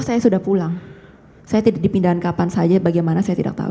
saya sudah pulang saya tidak dipindahkan kapan saja bagaimana saya tidak tahu